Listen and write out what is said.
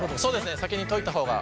先に溶いた方が。